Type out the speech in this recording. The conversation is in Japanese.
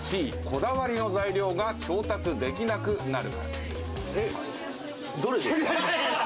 Ｃ、こだわりの材料が調達できなくなるから。